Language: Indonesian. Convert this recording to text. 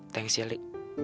thanks ya li